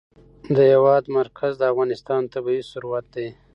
د هېواد مرکز د افغانستان طبعي ثروت دی.